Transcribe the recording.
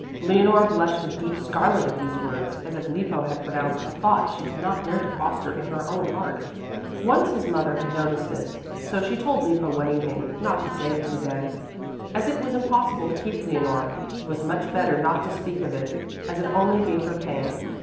Leonore blushed a deep scarlet at these words, as if Lippo had pronounced a thought she did not dare to foster in her own heart. Once his mother had noticed this, so she told Lippo one evening, not to say this again. As it was impossible to keep Leonore, it was much better not to speak of it, as it only gave her pain.